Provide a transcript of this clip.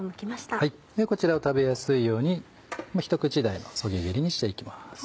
ではこちらを食べやすいようにひと口大のそぎ切りにして行きます。